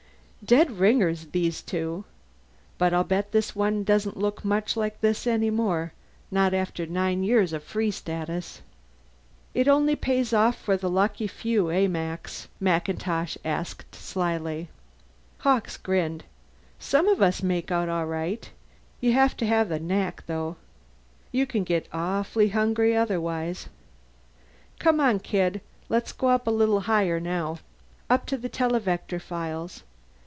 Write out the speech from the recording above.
"Dead ringers, these two. But I'll bet this one doesn't look much like this any more not after nine years of Free Status!" "It only pays off for the lucky few, eh, Max?" MacIntosh asked slyly. Hawkes grinned. "Some of us make out all right. You have to have the knack, though. You can get awful hungry otherwise. Come on, kid let's go up a little higher, now. Up to the televector files.